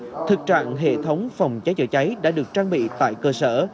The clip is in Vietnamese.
các nội dung như thực trạng hệ thống phòng cháy chữa cháy đã được trang bị tại cơ sở